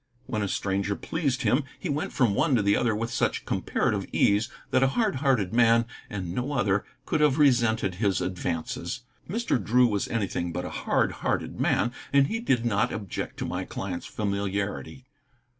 When a stranger pleased him, he went from one to the other with such comparative ease that a hardhearted man, and no other, could have resented his advances. Mr. Drew was anything but a hard hearted man, and he did not object to my client's familiarity.